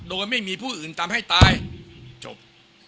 โดยไม่มีผู้อื่นทำให้ตายจบ